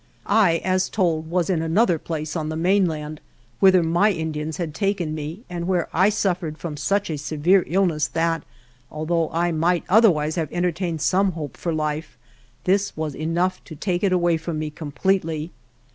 I, as told, was in another place, on the mainland, whither my Indians had taken me and where I suffered from such a severe illness that, although I might otherwise have entertained some hope for 72 ALVAR NUNEZ CABEZA DE VACA life, this was enough to take it away from me completely.